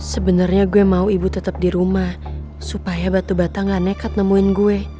sebenarnya gue mau ibu tetap di rumah supaya batu bata gak nekat nemuin gue